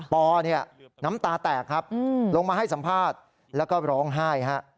ปอเนี่ยน้ำตาแตกครับลงมาให้สัมภาษณ์แล้วก็ร้องไห้ฮะ